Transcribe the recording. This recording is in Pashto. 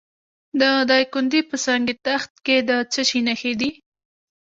د دایکنډي په سنګ تخت کې د څه شي نښې دي؟